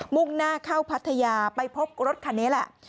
่งหน้าเข้าพัทยาไปพบรถคันนี้แหละ